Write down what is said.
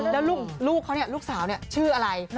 แล้วลูกค่าเนี่ยลูกสาวเนี่ยชื่ออะไร